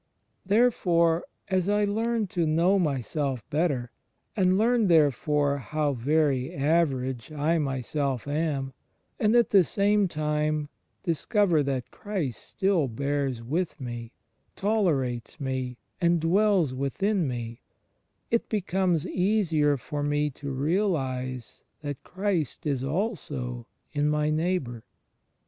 Therefore, as I learn to know myself better, and learn therefore how very average I myself am, and, at the same time, dis cover that Christ still bears with me, tolerates me and dwells within me, it becomes easier for me to realize that Christ is also in my neighbour.